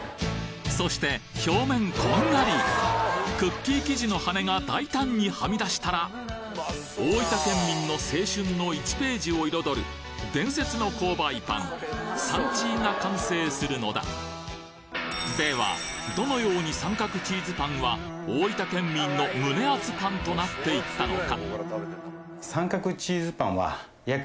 そして表面こんがりクッキー生地の羽根が大胆にはみ出したら大分県民の青春の１ページを彩る伝説の購買パンサンチーが完成するのだではどのように三角チーズパンは大分県民の胸アツパンとなっていったのか？